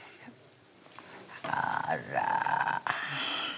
あら